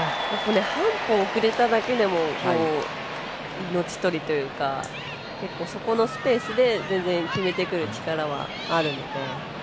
半歩、遅れただけでも命取りというか結構、そこのスペースで全然、決めてくる力はあるので。